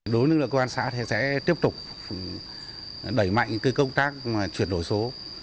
đối với lực lượng công an xã thì sẽ tiếp tục đẩy mạnh công tác chuyển đổi số